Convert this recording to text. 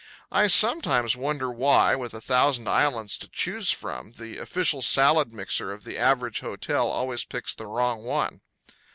I sometimes wonder why, with a thousand islands to choose from, the official salad mixer of the average hotel always picks the wrong one.